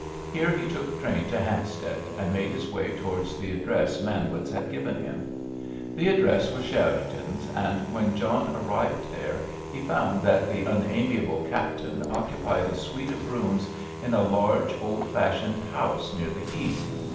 Here he took train to Hampstead, and made his way towards the address Manwitz had given him. The address was Cherriton's, and when John arrived there he found that the unamiable captain occupied a suite of rooms in a large, old fashioned house near the Heath.